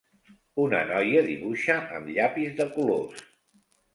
Una noia dibuixa amb llapis de colors.